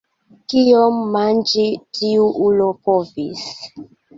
Kiom manĝi tiu ulo povis!